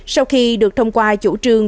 sau khi được thông qua chủ trương